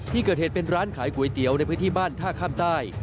ที่เกิดเหตุเป็นร้านขายก๋วยเตี๋ยวในพื้นที่บ้านท่าข้ามใต้